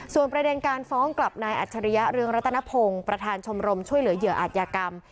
ส่วนประเด็นการฟ้องกลับนายอัจฉริยะเรืองรัตนพงศ์ประธานชมรมช่วยเหลือเหยื่ออาจยากรรม